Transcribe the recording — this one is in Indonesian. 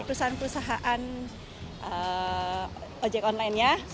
perusahaan perusahaan ojek online nya